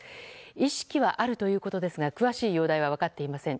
意識はあるということですが詳しい容体は分かっていません。